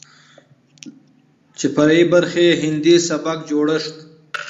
چې فرعي برخې يې هندي سبک جوړښت،